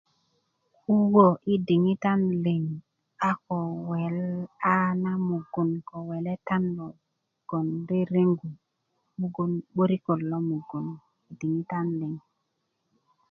kuwó i diŋitan liŋ a kó weelá na mugun ko weletan logoŋ reregú mugun 'bärikat ló mugun diŋitan liŋ